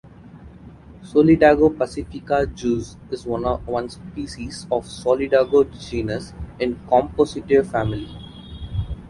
Solidago pacifica Juz. is one species of Solidago genus in Compositae family.